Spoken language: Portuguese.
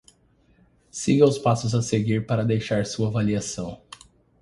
Siga os passos a seguir para deixar sua avaliação: